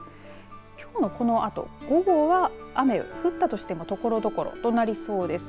きょうのこのあと午後は雨降ったとしてもところどころとなりそうです。